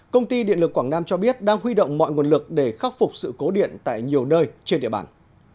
công ty điện lực quảng nam cho biết đang huy động mọi nguồn lực để khắc phục sự cố điện tại nhiều nơi trên địa bàn